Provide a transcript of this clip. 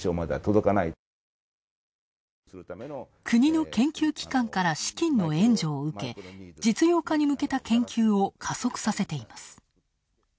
国の研究機関から、資金の援助を受け、実用化に向けた研究を加速させています。